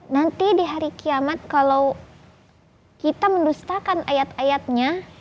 nanti di hari kiamat kalau kita mendustakan ayat ayatnya